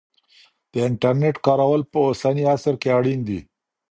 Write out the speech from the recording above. د انټرنیټ کارول په اوسني عصر کې اړین دی.